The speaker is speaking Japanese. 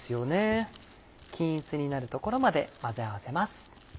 均一になるところまで混ぜ合わせます。